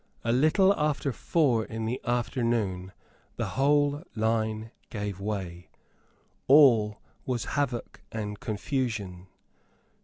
A little after four in the afternoon the whole line gave way. All was havoc and confusion.